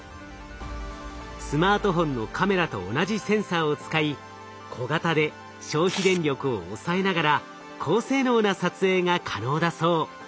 スマートフォンのカメラと同じセンサーを使い小型で消費電力を抑えながら高性能な撮影が可能だそう。